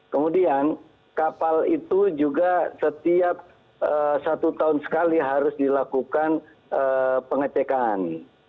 kemudian kapal itu juga setiap satu tahun sekali harus dilakukan pengecekan